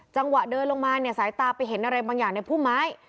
จังหวะเดินลงมาเนี่ยสายตาไปเห็นอะไรบางอย่างในพุ่มไม้